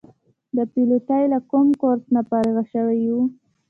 د پیلوټۍ له کوم کورس نه فارغ شوي وو.